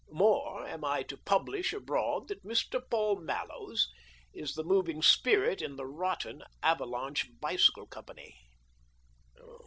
More, am I to publish abroad that Mr. Paul Mallows is the moving spirit in the rotten * Avalanche Bicycle Company